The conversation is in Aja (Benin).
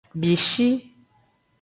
Bishi.